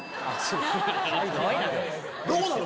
どうなの？